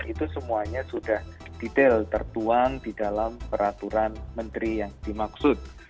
itu semuanya sudah detail tertuang di dalam peraturan menteri yang dimaksud